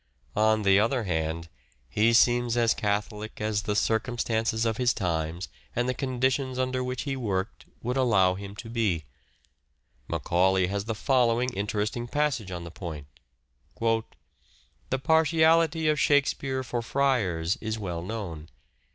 On the other hand, he seems as catholic as the circumstances of his times and the conditions under which he worked would allow him to be. Macaulay has the following interesting passage on the point :— SPECIAL CHARACTERISTICS 131 " The partiality of Shakespeare for Friars is well known.